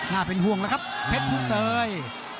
น่าเป็นห่วงแล้วครับเผ็ดพรุ่งเตย